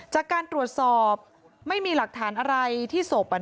จากการตรวจสอบไม่มีหลักฐานอะไรที่ศพ